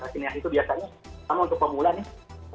sinias itu biasanya sama untuk pemula nih